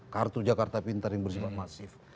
kartu jakarta pintar yang bersifat masif